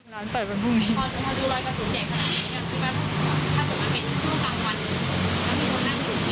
ร้านเปิดวันพรุ่งนี้มีคนทุกคนดูรอยกระสุนเย็นขนาดนี้